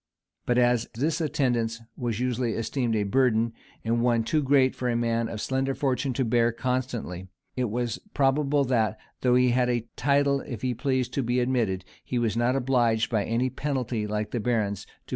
But as this attendance was usually esteemed a burden, and one too great for a man of slender fortune to bear constantly, it is probable that, though he had a title, if he pleased, to be admitted, he was not obliged by any penalty, like the barons, to pay a regular attendance.